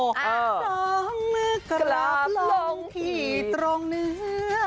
สองมือกลับลงที่ตรงเนื้อ